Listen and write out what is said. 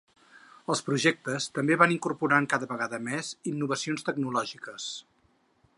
Els projectes també van incorporant cada vegada més innovacions tecnològiques.